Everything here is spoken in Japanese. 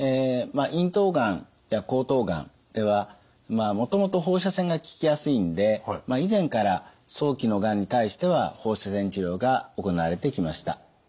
咽頭がんや喉頭がんではもともと放射線が効きやすいんで以前から早期のがんに対しては放射線治療が行われてきました。